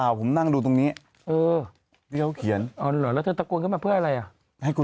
กันสักนิดหนึ่งมันมีหัวอะไรเหรอ